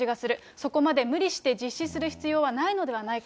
そこまで無理して実施する必要はないのではないか。